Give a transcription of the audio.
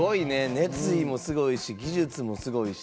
熱意もすごいし技術もすごいし。